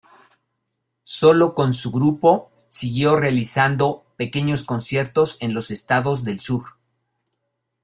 Solo con su grupo, siguió realizando pequeños conciertos en los Estados del Sur.